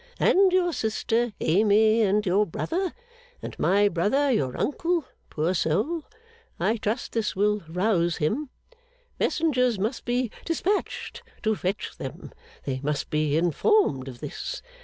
And your sister, Amy, and your brother. And my brother, your uncle poor soul, I trust this will rouse him messengers must be despatched to fetch them. They must be informed of this.